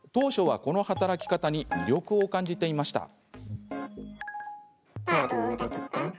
当初は、この働き方に魅力を感じていました。